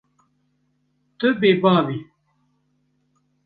Tu bêbav î.